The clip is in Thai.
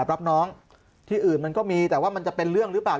รับน้องที่อื่นมันก็มีแต่ว่ามันจะเป็นเรื่องหรือเปล่า